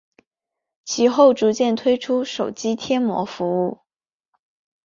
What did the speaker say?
其后逐渐推出手机贴膜服务。